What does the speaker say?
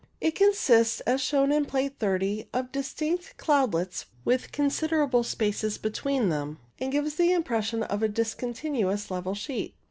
It consists, as shown in Plate 30, of distinct cloudlets, with considerable spaces between them, and gives the impression of a discontinuous level sheet.